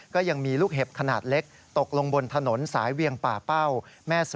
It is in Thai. ก็ยังมีลูกเห็บขนาดเล็กตกลงบนถนนสายเวียงป่าเป้าแม่สุ